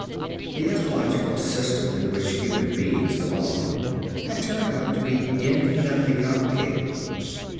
The ecological system in which human beings belonged had turned out to be infinitely complicated.